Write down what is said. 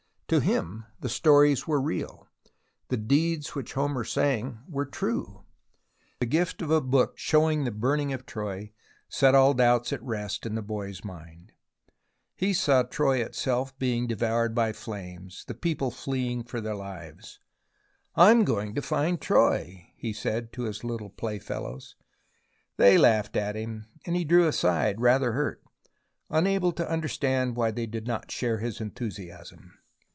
To him the stories were real, the deeds which Homer sang were true. The gift of a book showing the burning of Troy set all doubts at rest in the boy's mind. He II 162 THE ROMANCE OF EXCAVATION saw Troy itself being devoured by flames, the people fleeing for their lives. "I'm going to find Troy," he said to his little playfellows. They laughed at him, and he drew aside, rather hurt, unable to understand why they did not share his enthusiasm.